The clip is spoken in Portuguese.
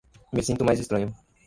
Me sinto mais estranho